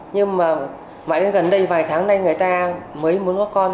nhưng mà gần đây vài tháng nay người ta mới muốn có con